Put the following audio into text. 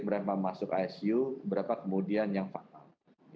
berapa masuk icu berapa kemudian yang fatal